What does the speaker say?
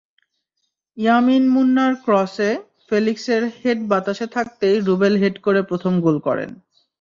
ইয়ামিন মুন্নার ক্রসে ফেলিক্সের হেড বাতাসে থাকতেই রুবেল হেড করে প্রথম গোল করেন।